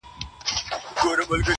زه چي هر عمل کوم ورته مجبور یم!!